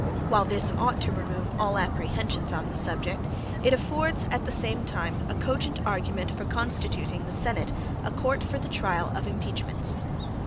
While this ought to remove all apprehensions on the subject, it affords, at the same time, a cogent argument for constituting the Senate a court for the trial of impeachments.